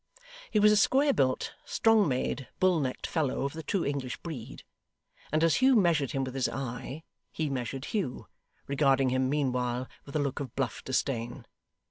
He was a square built, strong made, bull necked fellow, of the true English breed; and as Hugh measured him with his eye, he measured Hugh, regarding him meanwhile with a look of bluff disdain.